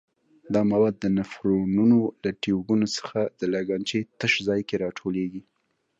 دا مواد د نفرونونو له ټیوبونو څخه د لګنچې تش ځای کې را ټولېږي.